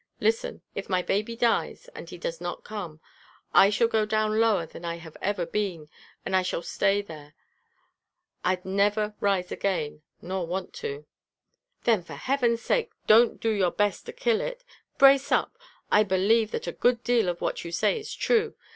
Listen if my baby dies, and he does not come, I shall go down lower than I have ever been, and I shall stay there. I'd never rise again, nor want to " "Then, for Heaven's sake, don't do your best to kill it! Brace up. I believe that a good deal of what you say is true.